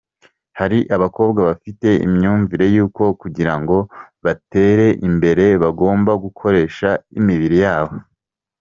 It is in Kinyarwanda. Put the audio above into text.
Hari abakobwa bafite imyumvire y’uko kugira ngo batere imbere bagomba gukoresha imibiri yabo.